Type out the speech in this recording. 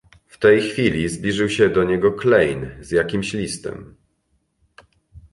"W tej chwili zbliżył się do niego Klejn z jakimś listem."